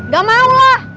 gak mau lah